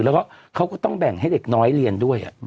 แล้วก็เขาก็ต้องแบ่งให้เด็กน้อยเรียนด้วย